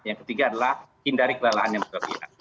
yang ketiga adalah hindari kelelahan yang berlebihan